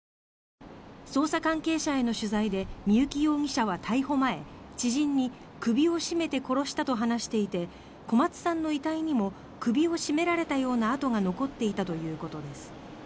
捜査関係者への取材で三幸容疑者は逮捕前知人に首を絞めて殺したと話していて小松さんの遺体にも首を絞められたような痕が残っていたということです。